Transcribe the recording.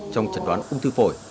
trong chẩn đoán ung thư phổi